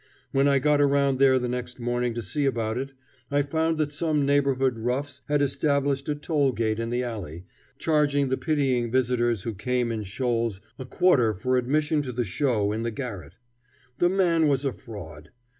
When I got around there the next morning to see about it, I found that some neighborhood roughs had established a toll gate in the alley, charging the pitying visitors who came in shoals a quarter for admission to the show in the garret. The man was a fraud.